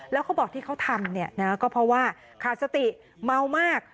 แล้วเขาบอกที่เขาทำเนี่ยนะก็เพราะว่าขาดสติเมามาก